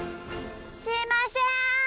すいません！